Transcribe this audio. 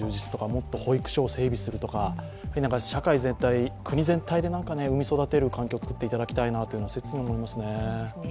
もっと保育所を整備するとか、社会全体、国全体で何か産み育てる環境を作ってほしいなと切に思いますね。